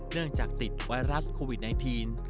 เนื่องจากติดไวรัสโควิด๑๙